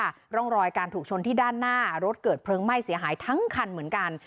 ร่องรอยการถูกชนที่ด้านหน้ารถเกิดเพลิงไหม้เสียหายทั้งคันเหมือนกัน